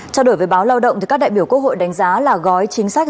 trao đổi với báo lao động các đại biểu quốc hội đánh giá là gói chính sách